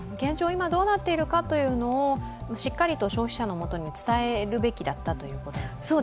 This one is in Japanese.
今どうなっているかというのを、しっかりと消費者の元に伝えるべきだったと？